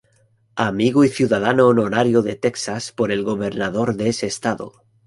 Amigo" y "Ciudadano Honorario" de Texas por el gobernador de ese estado.